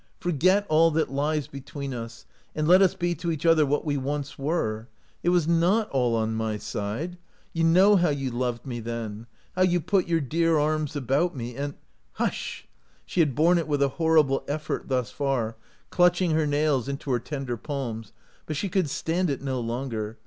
Forget all that lies between us, and let us be to each other what we once were. It was not all on my side. You know how you loved me then. How you put your dear arms about me, and —"" Hush !" She had borne it with a horri ble effort thus far, clutching her nails into her tender palms, but she could stand it no longer.